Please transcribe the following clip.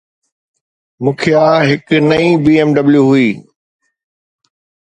مکيه هڪ نئين BMW هئي.